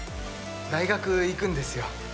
大学行くんですよ。